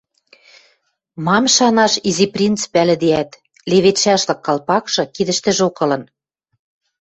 Мам шанаш, Изи принц пӓлӹдеӓт — леведшӓшлык калпакшы кидӹштӹжок ылын.